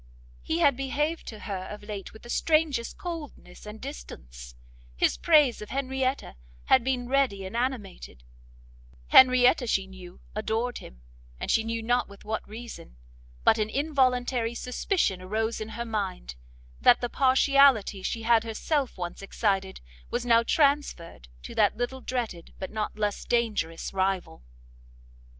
He had behaved to her of late with the strangest coldness and distance, his praise of Henrietta had been ready and animated, Henrietta she knew adored him, and she knew not with what reason, but an involuntary suspicion arose in her mind, that the partiality she had herself once excited, was now transferred to that little dreaded, but not less dangerous rival.